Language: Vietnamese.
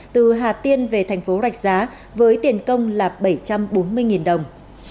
từ hà tiên về thành phố rạch giá với tiền công là bảy trăm bốn mươi đồng